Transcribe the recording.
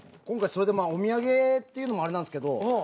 今回それでお土産っていうのもあれなんですけど。